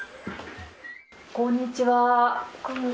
こんにちは。